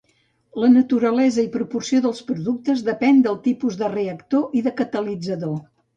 La naturalesa i proporció dels productes depèn del tipus de reactor i de catalitzador.